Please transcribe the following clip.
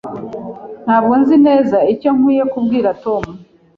Ntabwo nzi neza icyo nkwiye kubwira Tom.